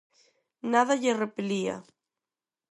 Nada lle repelía.